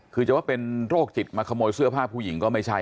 คือจะว่าเป็นโรคจิตมาขโมยเสื้อผ้าผู้หญิงก็ไม่ใช่